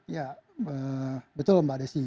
ya betul mbak desi